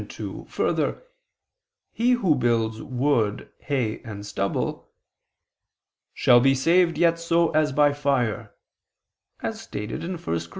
2: Further, he who builds wood, hay, and stubble, "shall be saved yet so as by fire" (1 Cor.